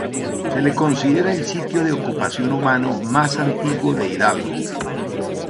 Se le considera el sitio de ocupación humano más antiguo de Hidalgo.